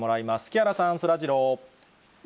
木原さん、そらジロー。